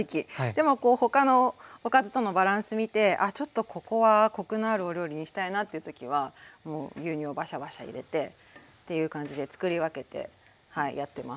でも他のおかずとのバランス見てあっちょっとここはコクのあるお料理にしたいなっていう時は牛乳をバシャバシャ入れてっていう感じでつくり分けてやってます。